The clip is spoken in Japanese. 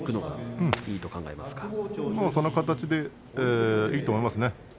その形でいいと思いますね。